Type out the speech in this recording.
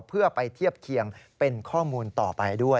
เพื่อไปเทียบเคียงเป็นข้อมูลต่อไปด้วย